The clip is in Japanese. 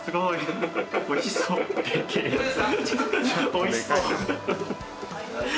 おいしそう。